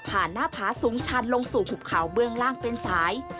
หน้าผาสูงชันลงสู่หุบเขาเบื้องล่างเป็นสาย